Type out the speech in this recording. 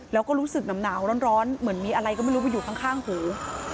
แล้วก็รู้สึกหนาวร้อนเหมือนมีอะไรก็ไม่รู้ไปอยู่ข้างหู